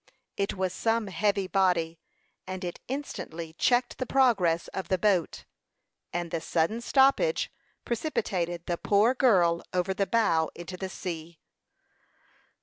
It was some heavy body, and it instantly checked the progress of the boat, and the sudden stoppage precipitated the poor girl over the bow into the sea.